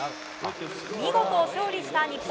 見事、勝利した日本。